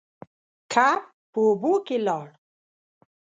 کب په اوبو کې لاړ.